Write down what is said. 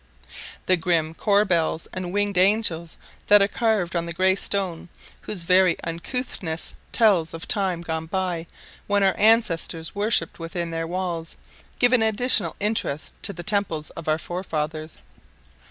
The grim corbels and winged angels that are carved on the grey stone, whose very uncouthness tells of time gone by when our ancestors worshipped within their walls, give an additional interest to the temples of our forefathers.